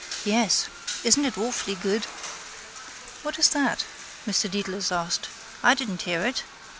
—Yes. Isn't it awfully good? —What is that? Mr Dedalus asked. I didn't hear it.